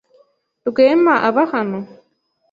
Rwema aba hano?